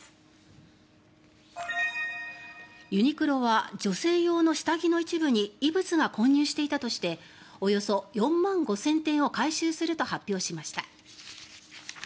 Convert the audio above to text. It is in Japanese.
ユニクロは女性用の下着の一部に異物が混入していたとしておよそ４万５０００点を回収すると発表しました。